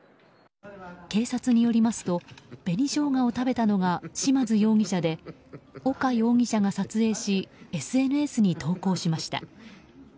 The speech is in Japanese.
警察によりますと紅ショウガを食べたのが嶋津容疑者で、岡容疑者が撮影しＳＮＳに投稿しました。